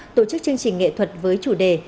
tổ chức chương trình nghệ thuật với chủ đề